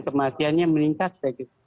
kematiannya meningkat sedikit